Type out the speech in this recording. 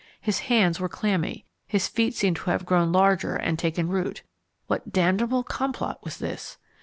His hands were clammy, his feet seemed to have grown larger and taken root. What damnable complot was this?